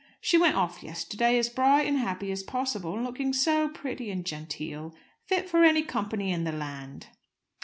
She went off yesterday as bright and happy as possible, and looking so pretty and genteel fit for any company in the land."